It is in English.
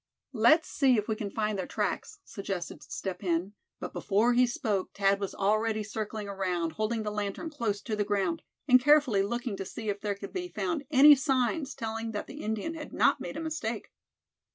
"Let's see if we can find their tracks," suggested Step Hen; but before he spoke Thad was already circling around, holding the lantern close to the ground, and carefully looking to see if there could be found any signs telling that the Indian had not made a mistake.